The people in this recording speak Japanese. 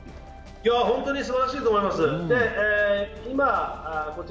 本当にすばらしいと思います。